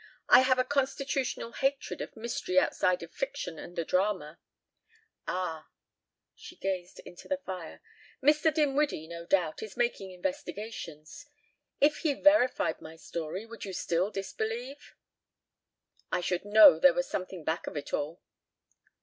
I have a constitutional hatred of mystery outside of fiction and the drama." "Ah." She gazed into the fire. "Mr. Dinwiddie, no doubt, is making investigations. If he verified my story, would you still disbelieve?" "I should know there was something back of it all."